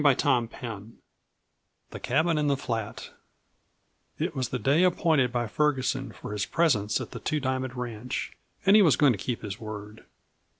CHAPTER III THE CABIN IN THE FLAT It was the day appointed by Ferguson for his presence at the Two Diamond ranch, and he was going to keep his word.